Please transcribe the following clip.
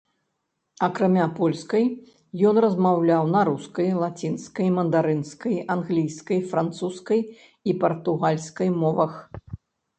Акрамя польскай, ён размаўляў на рускай, лацінскай, мандарынскай, англійскай, французскай і партугальскай мовах.